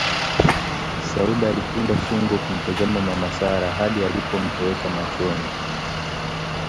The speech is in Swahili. Sauda alipinda shingo kumtazama Mama Sarah hadi alipomtoweka machoni